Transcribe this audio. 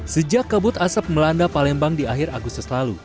sejak kabut asap melanda palembang di akhir agustus lalu